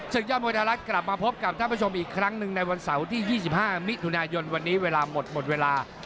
ยอดมวยไทยรัฐกลับมาพบกับท่านผู้ชมอีกครั้งหนึ่งในวันเสาร์ที่๒๕มิถุนายนวันนี้เวลาหมดหมดเวลา